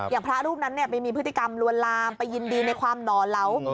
พระรูปนั้นไปมีพฤติกรรมลวนลามไปยินดีในความหนอนเหลา